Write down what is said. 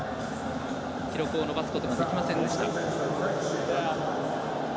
記録を伸ばすことはできませんでした。